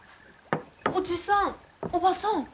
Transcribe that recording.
おじさんおばさん。